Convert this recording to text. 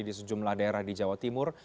di sejumlah daerah di jawa timur